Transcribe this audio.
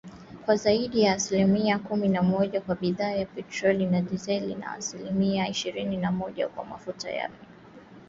kwa zaidi ya asilimia kumi na moja kwa bidhaa ya petroli na dizeli na asilimia ishirini na moja kwa mafuta ya taa